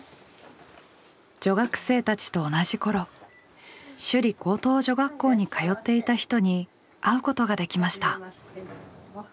女学生たちと同じ頃首里高等女学校に通っていた人に会うことができました。